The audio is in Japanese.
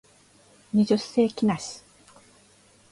二十世紀梨